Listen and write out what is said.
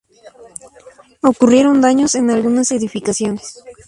Ocurrieron daños en algunas edificaciones.